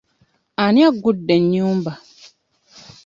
Ani aggudde ennyumba?